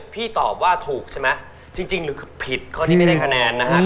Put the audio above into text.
พี่ตอบว่าถูกใช่ไหมจริงหรือผิดข้อที่ไม่ได้คะแนนนะครับ